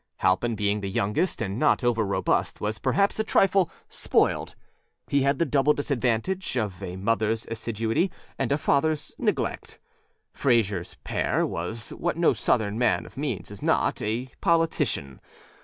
Halpin being the youngest and not over robust was perhaps a trifle âspoiled.â He had the double disadvantage of a motherâs assiduity and a fatherâs neglect. Frayser père was what no Southern man of means is notâa politician.